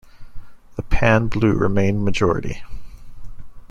The pan-blue remained majority.